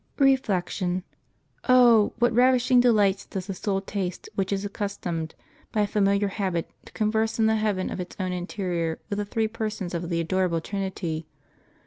Reflection. — Oh ! what ravishing delights does the s . ul taste which is accustomed, by a familiar habit, to eon erse in the heaven of its own interior with the Three Persons of the adorable Trinity!